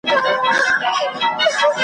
سمدستي یې لاندي ټوپ وو اچولی .